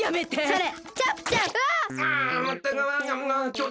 それ！